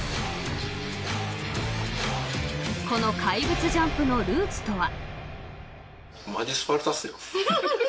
［この怪物ジャンプのルーツとは］